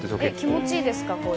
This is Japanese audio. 気持ちいいですか？